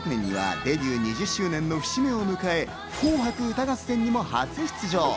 ２０１６年にはデビュー２０周年の節目を迎え、『紅白歌合戦』にも初出場。